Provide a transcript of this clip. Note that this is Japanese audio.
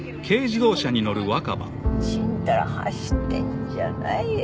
ちんたら走ってんじゃないよ